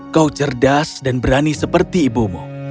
kau cerdas dan berani seperti ibumu